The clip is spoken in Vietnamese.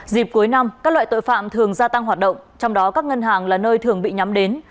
dịp cuối năm các loại tội phạm thường gia tăng hoạt động trong đó các ngân hàng là nơi thường bị nhắm đến